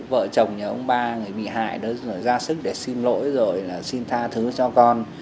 vợ chồng nhà ông ba người bị hại đó rồi ra sức để xin lỗi rồi là xin tha thứ cho con